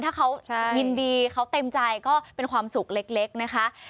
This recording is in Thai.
ถ้าเขายินดีเขาเต็มใจก็เป็นความสุขเล็กนะคะ